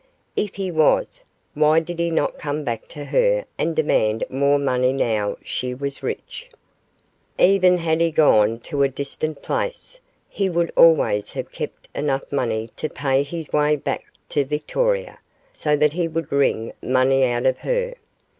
If he was, why did he not come back to her and demand more money now she was rich? Even had he gone to a distant place, he would always have kept enough money to pay his way back to Victoria, so that he could wring money out of her.